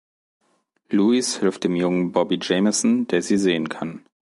Lewis hilft dem Jungen Bobby Jameson, der sie sehen kann.